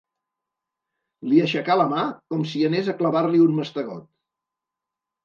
Li aixecà la mà, com si anés a clavar-li un mastegot.